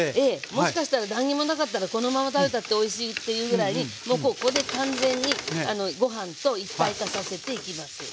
もしかしたら何にもなかったらこのまま食べたっておいしいっていうぐらいもうここで完全にご飯と一体化させていきます。